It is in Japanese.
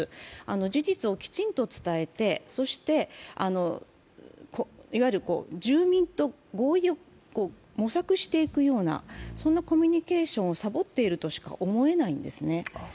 事実をきちんと伝えて、そして住民と合意を模索していくような、そんなコミュニケーションをサボっているとしか思えないんですね。